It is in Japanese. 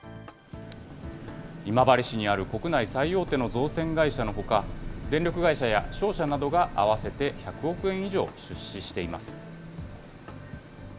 今治市にある国内最大手の造船会社のほか、電力会社や商社などが合わせて１００億円以上出資しています。